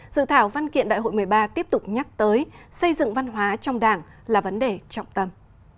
dự thảo văn kiện đại hội một mươi ba tiếp tục nhắc tới xây dựng văn hóa trong đảng là vấn đề trọng tâm